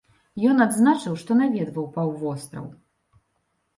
Ён адзначыў, што наведваў паўвостраў.